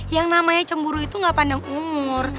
yang namanya cemburu itu gak pandang umur